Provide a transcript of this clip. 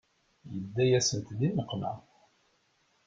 Yedda-yasent di nneqma.